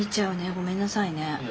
ごめんなさいね。